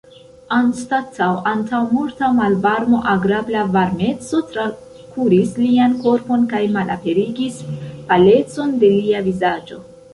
Anstataŭ antaŭmorta malvarmo agrabla varmeco trakuris lian korpon kaj malaperigis palecon de lia vizaĝo.